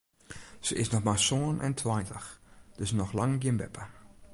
Se is noch mar sân en tweintich, dus noch lang gjin beppe.